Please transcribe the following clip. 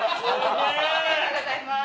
ありがとうございます。